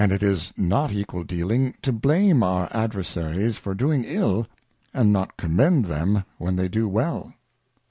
It is not equal Dealing to blame our Adversaries for doing ill, and not commend them when they do well.